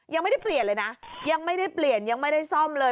ยังไม่ได้เปลี่ยนเลยนะยังไม่ได้เปลี่ยนยังไม่ได้ซ่อมเลย